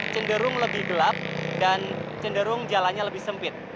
cenderung lebih gelap dan cenderung jalannya lebih sempit